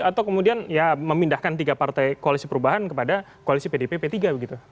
atau kemudian ya memindahkan tiga partai koalisi perubahan kepada koalisi pdp p tiga begitu